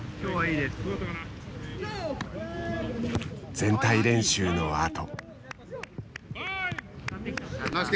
全体練習のあと。